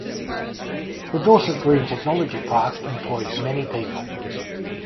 The Dorset Green Technology Park employs many people.